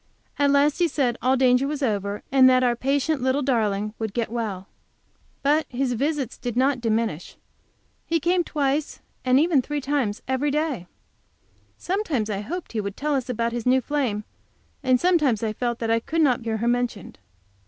At last he said all danger was over, and that our patient little darling would get well. But his visits did not diminish; he came twice and three times every day. Sometimes I hoped he would tell us about his new flame, and sometimes I felt that I could not hear her mentioned.